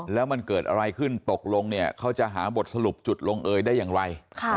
แล้วมันเกิดอะไรขึ้นตกลงเนี่ยเขาจะหาบทสรุปจุดลงเอยได้อย่างไร